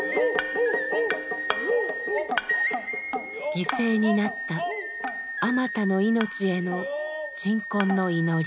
犠牲になった数多の命への鎮魂の祈り。